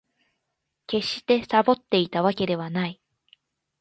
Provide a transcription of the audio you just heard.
決してサボっていたわけではない